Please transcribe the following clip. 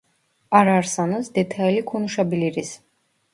Ararsanız detaylı konuşabiliriz